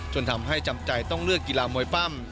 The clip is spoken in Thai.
จนทำให้จำใจต้องเลือกกีฬามวยปั้ม